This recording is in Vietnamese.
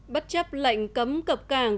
bất chấp lệnh cấm cập cảng